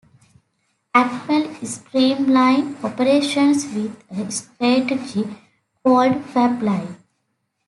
Atmel streamlined operations with a strategy called "fab-lite".